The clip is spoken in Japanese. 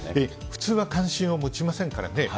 普通は関心を持ちませんからね。